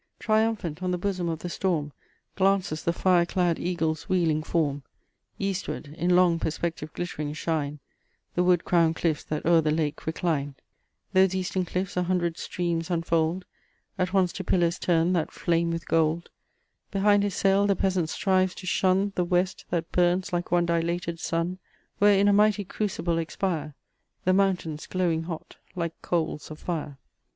Triumphant on the bosom of the storm, Glances the fire clad eagle's wheeling form; Eastward, in long perspective glittering, shine The wood crowned cliffs that o'er the lake recline; Those Eastern cliffs a hundred streams unfold, At once to pillars turned that flame with gold; Behind his sail the peasant strives to shun The west, that burns like one dilated sun, Where in a mighty crucible expire The mountains, glowing hot, like coals of fire.